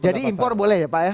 jadi impor boleh ya pak ya